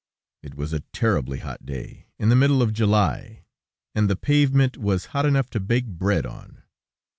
It was a terribly hot day, in the middle of July, and the pavement was hot enough to bake bread on.